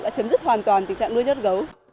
đã chấm dứt hoàn toàn tình trạng nuôi nhốt gấu